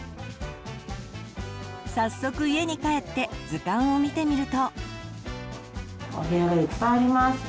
早速家に帰って図鑑を見てみると。